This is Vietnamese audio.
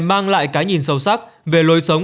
mang lại cái nhìn sâu sắc về lối sống